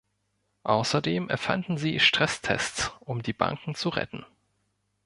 Außerdem erfanden Sie "Stresstests", um die Banken zu retten.